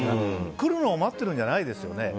来るのを待ってるんじゃないですよね。